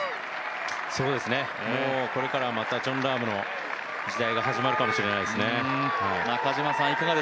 もうこれからまたジョン・ラームの時代が始まるかもしれないですね。